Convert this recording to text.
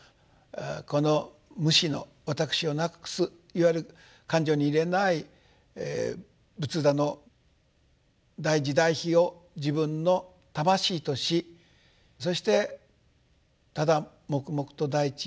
この無私の私を無くすいわゆる勘定に入れない仏陀の大慈大悲を自分の魂としそしてただ黙々と大地に生きる。